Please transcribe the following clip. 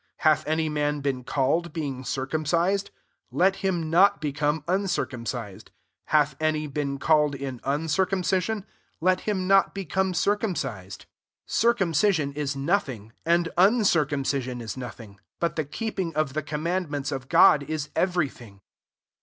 13 Hatb any man been called, being drcumf cised ? let him not beeome uncircumcfsed. Hath any been called in unoircumeision ? tet him n^t beieome eircmncised. 1 CORINTHIANS VII. 279 19 CircumciaioD is nothing, id uucircumcision is nothing ; It the keeping of the com andments of God is every iTig.